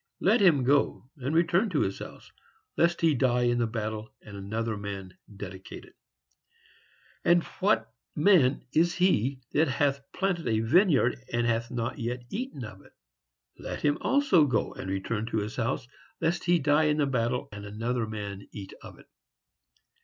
Let him go and return to his house, lest he die in the battle, and another man dedicate it. "And what man is he that hath planted a vineyard and hath not yet eaten of it? Let him also go and return to his house, lest he die in the battle, and another man eat of it.